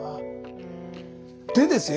でですね